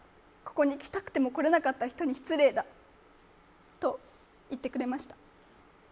ここに来たくても来れなかった人に失礼だと言ってくれました。